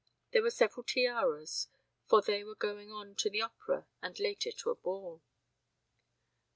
There were several tiaras, for they were going on to the opera and later to a ball.